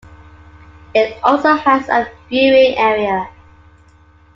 It also has a viewing area.